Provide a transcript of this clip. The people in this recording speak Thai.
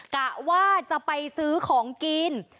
กะว่าจะไปซื้อของกิน